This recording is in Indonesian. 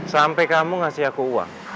sampai kamu ngasih aku uang